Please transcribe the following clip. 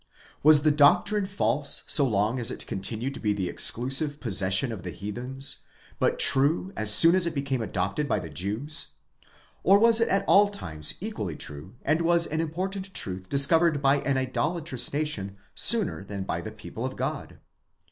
Was the doctrine false so long as it continued to be the exclusive possession of the heathens, but true as soon as it became adopted by the Jews? or was it at all times equally true, and was an important truth discovered by an idolatrous nation sooner than by the people of God?